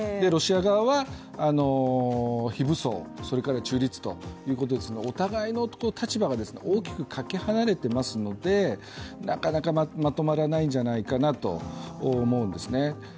ロシア側は、非武装、それから中立ということでお互いの立場が大きくかけ離れていますので、なかなかまとまらないんじゃないかなと思うんですね。